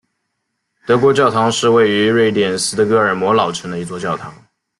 德国教堂是位于瑞典斯德哥尔摩老城的一座教堂。